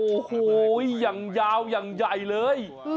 โอ้โหอย่างยาวอย่างใหญ่เลย